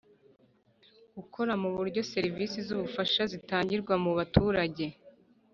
Gukora ku buryo serivisi z ubufasha zitangirwa mu baturage